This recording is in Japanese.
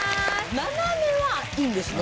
斜めはいいんですね？